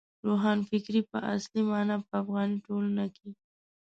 روښانفکرۍ په اصلي مانا په افغاني ټولنه کې.